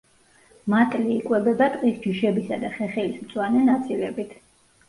მატლი იკვებება ტყის ჯიშებისა და ხეხილის მწვანე ნაწილებით.